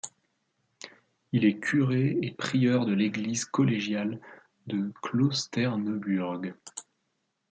Il est curé et prieur de l'église collégiale de Klosterneuburg.